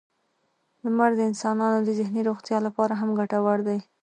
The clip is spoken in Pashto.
• لمر د انسانانو د ذهني روغتیا لپاره هم ګټور دی.